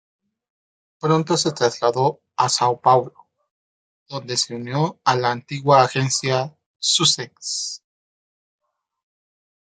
Pronto se trasladó a São Paulo, donde se unió a la antigua agencia Success.